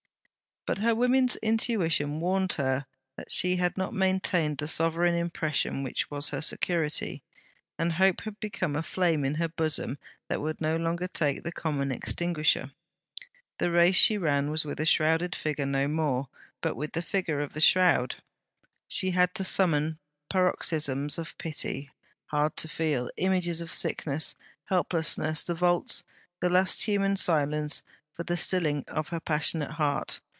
But her woman's intuition warned her that she had not maintained the sovereign impression which was her security. And hope had become a flame in her bosom that would no longer take the common extinguisher. The race she ran was with a shrouded figure no more, but with the figure of the shroud; she had to summon paroxysms of a pity hard to feel, images of sickness, helplessness, the vaults, the last human silence for the stilling of her passionate heart.